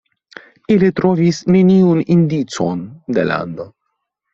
Ili trovis neniun indicon de lando.